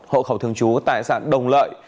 hộ khẩu thường trú tài sản đồng lợi